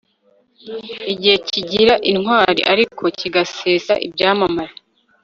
igihe kigira intwari ariko kigasesa ibyamamare